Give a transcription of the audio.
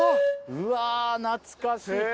うわぁ懐かしい。